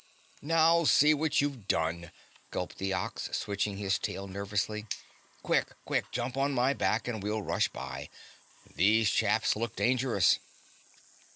"Now, see what you've done," gulped the Ox, switching his tail nervously. "Quick, quick, jump on my back and we'll rush by. These chaps look dangerous."